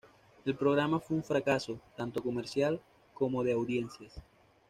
El programa fue un fracaso tanto comercial como de audiencias.